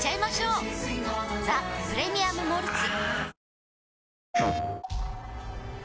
「ザ・プレミアム・モルツ」